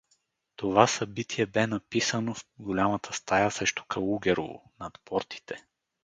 Това събитие бе написано в голямата стая срещу Калугерово, над портите.